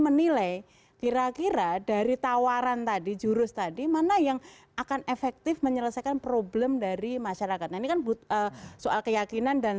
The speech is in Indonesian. mungkin nanti harus disosialisasikan